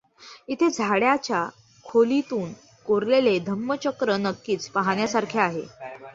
येथे झाडाच्या ढोलीतून कोरलेले धम्मचक्र नक्कीच पाहण्यासारखे आहे.